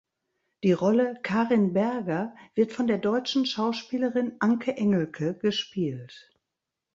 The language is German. Die Rolle "Karin Berger" wird von der deutschen Schauspielerin Anke Engelke gespielt.